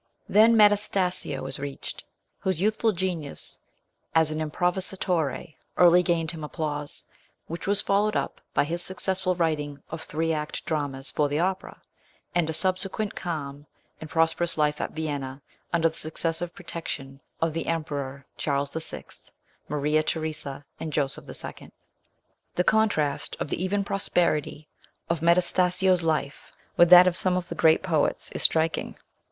Then Metas tasio is reached, whose youthful genius as an impro visators early gained him applause, which was followed up by his successful writing of three act dramas for the opera, and a subsequent calm and prosperous life at Vienna, under the successive protection of the Emperor Charles VI., Maria Theresa, and Joseph II. The contrast of the even prosperity of Metastasio's life with that of some of the great poets is striking.